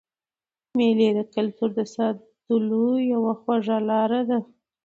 مېلې د کلتور د ساتلو یوه خوږه لار ده.